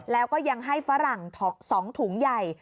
แล้วก็ยังให้ฝรั่ง๒ถุงใหญ่